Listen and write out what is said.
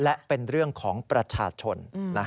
และเป็นเรื่องของประชาชน